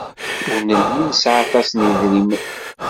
Ur nelli nesɛa aṭas n yedrimen.